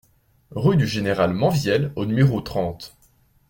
Rue du Général Menvielle au numéro trente